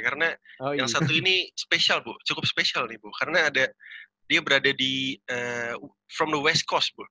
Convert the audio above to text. karena yang satu ini spesial cukup spesial nih karena dia berada di west coast